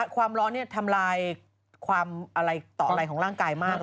ความร้อนนี่ทำลายความต่อไหล่ของร่างกายมากเลย